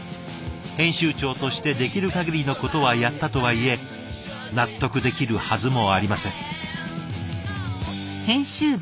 編集長としてできるかぎりのことはやったとはいえ納得できるはずもありません。